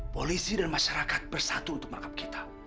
polisi dan masyarakat bersatu untuk menangkap kita